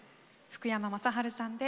福山雅治さんで「虹」。